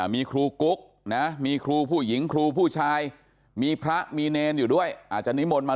มีครูกุ๊กนะมีครูผู้หญิงครูผู้ชายมีพระมีเนรอยู่ด้วยอาจจะนิมนต์มา